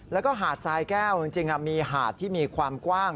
แล้วก็หาดทรายแก้วจริงมีหาดที่มีความกว้าง